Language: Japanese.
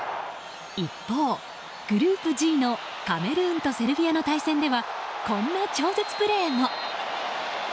一方、グループＧのカメルーンとセルビアの対戦ではこんな超絶プレーも。